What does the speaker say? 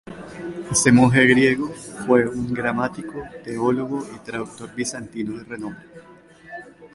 Este monje griego, fue un gramático, teólogo y traductor bizantino de renombre.